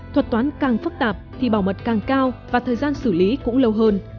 thuật toán càng phức tạp thì bảo mật càng cao và thời gian xử lý cũng lâu hơn